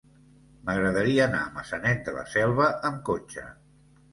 M'agradaria anar a Maçanet de la Selva amb cotxe.